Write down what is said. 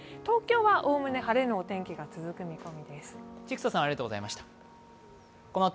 東京はおおむね晴れのお天気が続く見込みです。